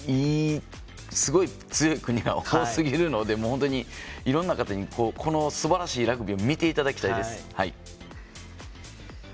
すごい強い国が多すぎるので本当に、いろんな方にこのすばらしいラグビーを見ていただきたいです。